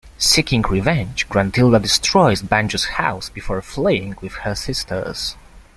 Seeking revenge, Gruntilda destroys Banjo's house before fleeing with her sisters.